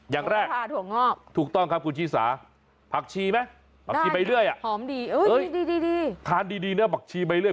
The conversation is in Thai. อย่างแรกถูกต้องครับคุณชีสาผักชีมั้ยผักชีใบเลื่อยอะทานดีนะผักชีใบเลื่อย